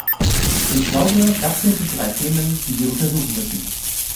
Ich glaube das sind die drei Themen, die wir untersuchen müssen.